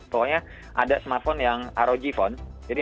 pokoknya ada smartphone yang rog phone